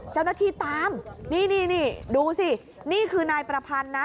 เจ้าหน้าที่ตามนี่นี่ดูสินี่คือนายประพันธ์นะ